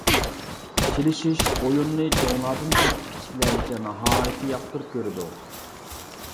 چېلىشىش ئويۇنىنى چوڭلاردىن تارتىپ كىچىكلەرگىچە ناھايىتى ياقتۇرۇپ كۆرىدۇ.